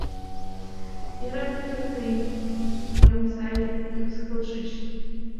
Йӧра, Пӧтыр, тый мыйым сай мыскылышыч...